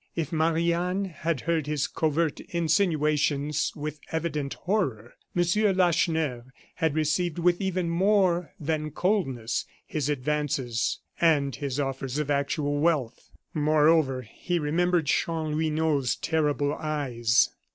If Marie Anne had heard his covert insinuations with evident horror, M. Lacheneur had received, with even more than coldness, his advances and his offers of actual wealth. Moreover, he remembered Chanlouineau's terrible eyes.